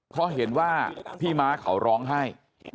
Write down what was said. เพราะเห็นว่าพี่ม้าเขาร้องไห้